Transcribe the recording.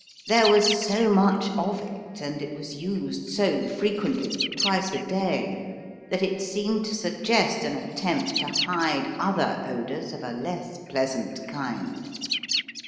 There was so much of it, and it was used so frequently twice a day that it seemed to suggest an attempt to hide other odours of a less pleasant kind.